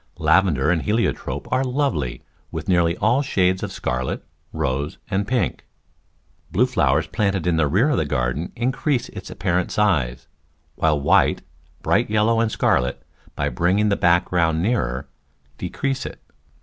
Lavender and heliotrope are lovely with nearly all shades of scarlet, rose and pink. Blue flowers planted in the rear of the garden increase its apparent size, while white, bright yellow and scar let, by bringing the background nearer, decrease it.